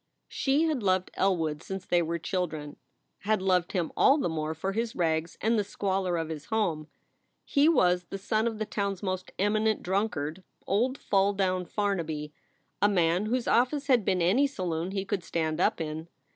She had loved Elwood since they were children had loved him all the more for his rags and the squalor of his home. He was the son of the town s most eminent drunkard, old "Fall down Farnaby," a man whose office had been any saloon he could stand up in.